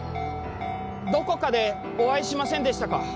どこかでお会いしませんでしたか？